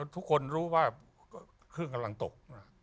ทุกคนรู้ว่าเครื่องกำลังตก